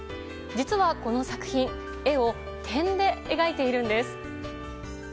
実はこの作品絵を点で描いているんです。